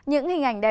cơ khí ngạc giả